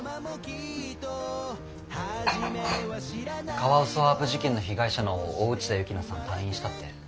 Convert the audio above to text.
カワウソワープ事件の被害者の大内田幸那さん退院したって。